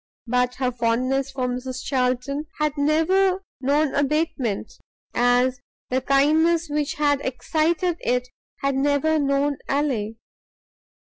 But her fondness for Mrs Charlton had never known abatement, as the kindness which had excited it had never known allay.